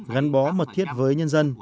gắn bó mật thiết với nhân dân